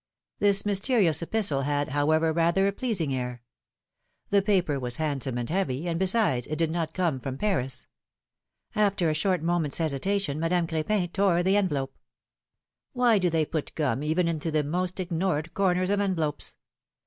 This mysterious epistle had, however, rather a pleasing air: the 48 PHILOIvIENE S MAREIAGES. paper was handsome and heavy, and besides it did not come from Paris. After a short moment's hesitation, Madame Cr^pin tore the envelope. Why do they put gum even into the most ignored corners of envelopes